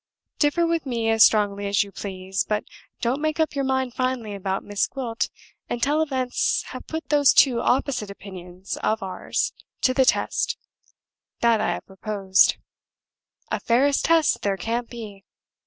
Differ with me as strongly as you please, but don't make up your mind finally about Miss Gwilt until events have put those two opposite opinions of ours to the test that I have proposed. A fairer test there can't be.